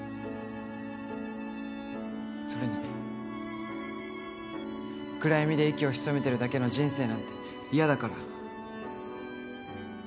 それに暗闇で息を潜めてるだけの人生なんて嫌だから。